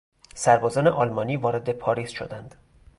سربازان آلمانی وارد پاریس شدند.